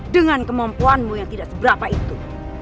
dengan kemampuanmu yang tidak seberapa itu